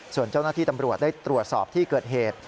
ส่วนเจ้าหน้าที่ตำรวจได้ตรวจสอบที่เกิดเหตุ